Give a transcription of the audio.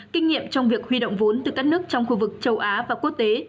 kinh nghiệm trong việc huy động vốn từ các nước trong khu vực châu á và quốc tế